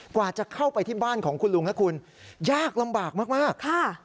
กว่าจะเข้าไปที่บ้านของคุณลุงนะคุณยากลำบากมากมากค่ะ